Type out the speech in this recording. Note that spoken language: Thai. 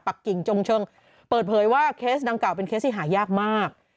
กิ่งจงเชิงเปิดเผยว่าเคสดังกล่าเป็นเคสที่หายากมาก